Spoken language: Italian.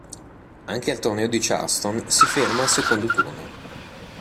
Anche al torneo di Charleston si ferma al secondo turno.